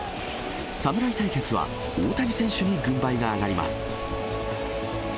侍対決は大谷選手に軍配が上がります。